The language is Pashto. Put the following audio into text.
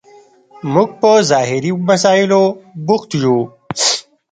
موږ په ظاهري مسایلو بوخت یو.